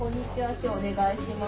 今日はお願いします。